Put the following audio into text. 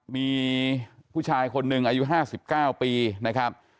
มีผู้ชายคนหนึ่งอายุ๕๙ปีนะครับ